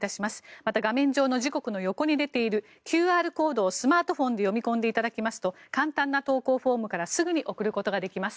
また画面上の時刻の横に出ているＱＲコードをスマートフォンで読み込んでいただきますと簡単な投稿フォームからすぐに送ることができます。